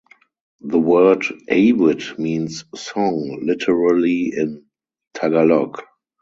The word "Awit" means "song" literally in Tagalog.